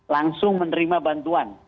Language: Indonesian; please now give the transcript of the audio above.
langsung menerima bantuan